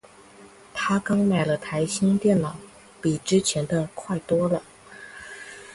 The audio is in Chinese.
她刚买了台新电脑，比之前的快多了。